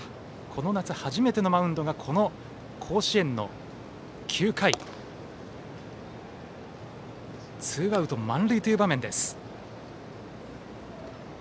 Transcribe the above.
この夏、初めてのマウンドがこの甲子園の９回ツーアウト満塁という場面です。